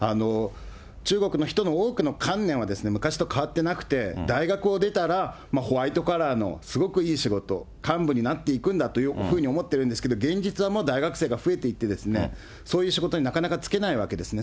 中国の人の多くの観念は、昔と変わってなくて、大学を出たらホワイトカラーの、すごくいい仕事、幹部になっていくんだというふうに思ってるんですけど、現実はもう大学生が増えていって、そういう仕事になかなか就けないわけですね。